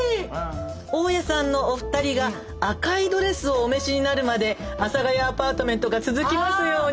「大家さんのお二人が赤いドレスをお召しになるまで阿佐ヶ谷アパートメントが続きますように」ですって。